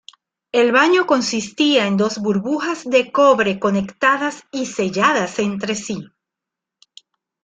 El baño consistía en dos burbujas de cobre conectadas y selladas entre sí.